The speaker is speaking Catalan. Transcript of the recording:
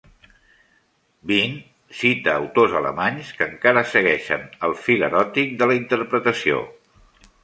Vine cita autors alemanys que encara segueixen el fil eròtic de la interpretació.